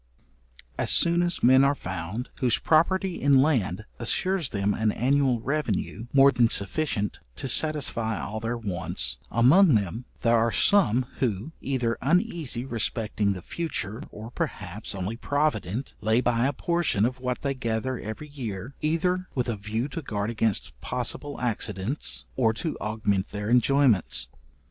As soon as men are found, whose property in land assures them an annual revenue more than sufficient to satisfy all their wants, among them there are some, who, either uneasy respecting the future, or, perhaps, only provident, lay by a portion of what they gather every year, either with a view to guard against possible accidents, or to augment their enjoyments.